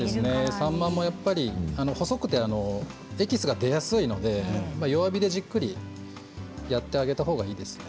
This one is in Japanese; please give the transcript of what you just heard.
さんまは細くてエキスが出やすいので弱火でじっくりやってあげたほうがいいですね。